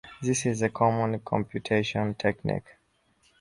This is a common computational technique.